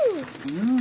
うん！